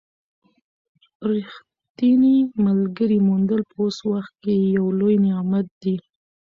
د ریښتیني ملګري موندل په اوس وخت کې یو لوی نعمت دی.